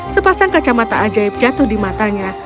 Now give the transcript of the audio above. sepasang kacamata ajaib jatuh di matanya